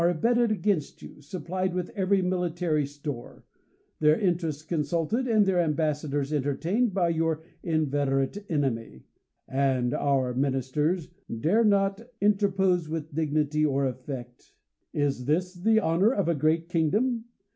abetted against you ; supplied with every military store ; their interests consulted, and their ambassadors entertained, by your inveterate enemy ! and our ministers dare not inter pose with dignity or effect. Is this the honor of a great kingdom